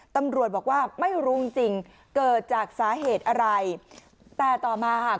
ตำรวจบอกว่าไม่รู้จริงจริงเกิดจากสาเหตุอะไรแต่ต่อมาค่ะ